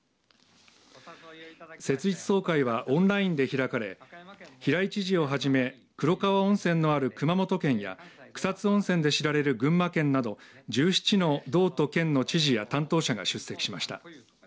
設立総会はオンラインで開かれ平井知事をはじめ黒川温泉のある熊本県や草津温泉で知られる群馬県など１７の道と県の知事や担当者が出席しました。